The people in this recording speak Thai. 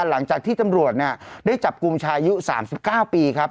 หลังจากที่ตำรวจนะฮะได้จับกลุมชายุสามสิบเก้าปีครับ